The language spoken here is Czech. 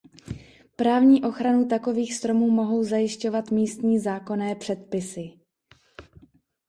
Právní ochranu takových stromů mohou zajišťovat místní zákonné předpisy.